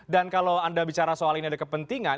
dan kalau anda bicara soal ini ada kepentingan